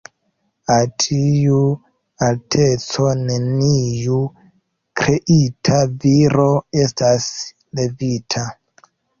Al tiu alteco neniu kreita viro estas levita.